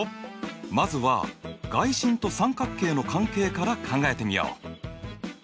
まずは外心と三角形の関係から考えてみよう！